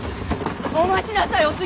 お待ちなさいお杉。